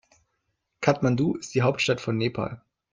Kathmandu ist die Hauptstadt von Nepal.